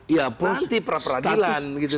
ya berhenti pra peradilan gitu